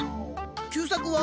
久作は？